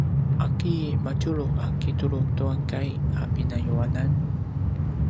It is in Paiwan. ’aki madjulu a kitulu tua kai a pinayuanan?